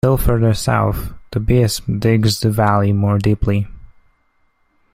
Still further south, the Biesme digs the valley more deeply.